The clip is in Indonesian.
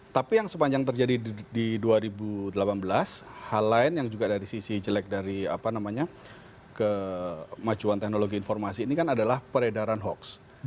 tapi yang sepanjang terjadi di dua ribu delapan belas hal lain yang juga dari sisi jelek dari apa namanya kemajuan teknologi informasi ini kan adalah peredaran hoax